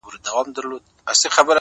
په خوښۍ کي به مي ستا د ياد ډېوه وي؛